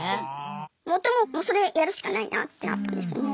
夫ももうそれやるしかないなってなったんですよね。